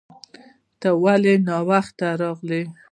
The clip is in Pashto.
ته ولې ناوخته راغلې